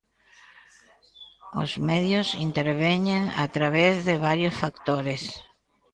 Os medios interveñen a través de varios factores.